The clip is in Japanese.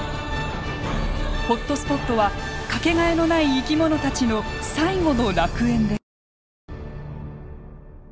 ホットスポットは掛けがえのない生き物たちの最後の楽園です。